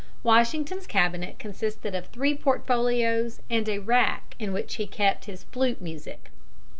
Washington's Cabinet consisted of three portfolios and a rack in which he kept his flute music.